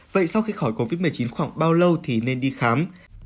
vậy sau khi khỏi covid một mươi chín khoảng bao lâu thì nên đi khám